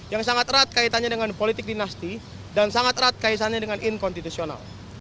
yang sangat erat kaitannya dengan politik dinasti dan sangat erat kaitannya dengan inkonstitusional